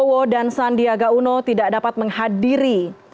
karena mereka sudah mengatakan bahwa mereka sudah tidak dapat menghadiri